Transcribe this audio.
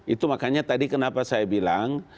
itu makanya tadi kenapa saya bilang